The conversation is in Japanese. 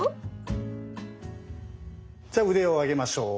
じゃあ腕を上げましょう。